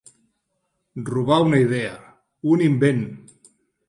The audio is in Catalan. Robar una idea, un invent.